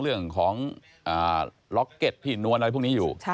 เรื่องของล็อกเก็ตพี่นวลอะไรพวกนี้อยู่